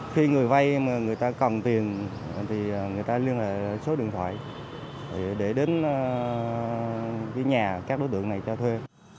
khi người vay mà người ta cần tiền thì người ta liên hệ số điện thoại để đến nhà các đối tượng này cho thuê